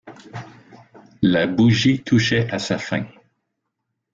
La bougie touchait à sa fin.